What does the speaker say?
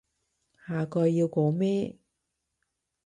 下句要講咩？